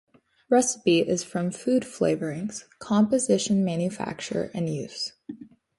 Recipe is from "Food Flavorings: Composition, Manufacture and Use".